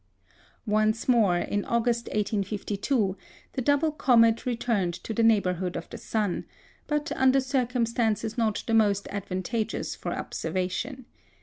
Once more, in August, 1852, the double comet returned to the neighbourhood of the sun, but under circumstances not the most advantageous for observation.